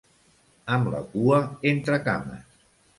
Amb la cua entre cames.